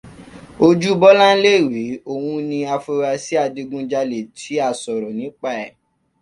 Ojú Bọ́láńlé rèé, òun ni afurasí adigunjalè tí a sọ̀rọ̀ nípa ẹ̀